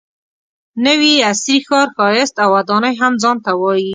نوي عصري ښار ښایست او ودانۍ هم ځان ته وایي.